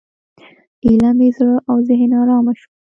ایله مې زړه او ذهن ارامه شول.